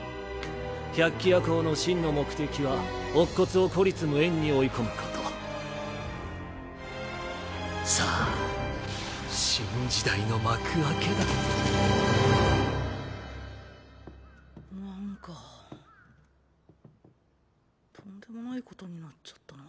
百鬼夜行の真の目的は乙骨を孤立無援に追い込むことさあ新時代の幕開けだなんかとんでもないことになっちゃったな。